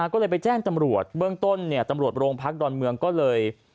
ก็เลยไปแจ้งตำรวจเบื้องต้นตำรวจโรงพักดอนเมืองก็เลย